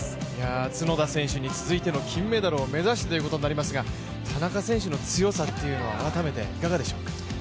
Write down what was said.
角田選手に続いての金メダルを目指すことになりますが田中選手の強さっていうのは改めていかがでしょうか。